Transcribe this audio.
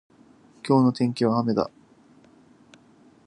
今日の天気は雨だ。